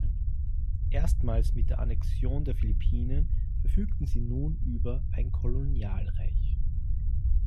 Erstmals mit der Annexion der Philippinen verfügten sie nun über ein Kolonialreich.